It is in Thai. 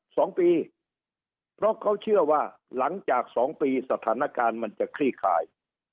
สองปีเพราะเขาเชื่อว่าหลังจากสองปีสถานการณ์มันจะคลี่คลาย